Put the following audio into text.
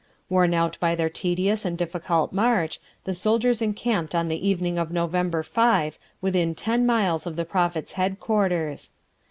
Worn out by their tedious and difficult march, the soldiers encamped on the evening of November 5 within ten miles of the Prophet's headquarters.